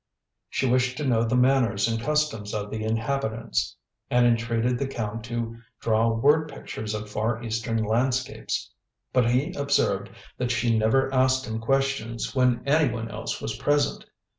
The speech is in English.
She wished to know the manners and customs of the inhabitants, and entreated the Count to draw word pictures of Far Eastern landscapes. But he observed that she never asked him questions when anyone else was present.